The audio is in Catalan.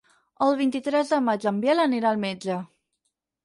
El vint-i-tres de maig en Biel anirà al metge.